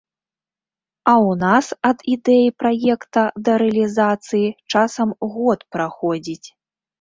А ў нас ад ідэі праекта да рэалізацыі часам год праходзіць!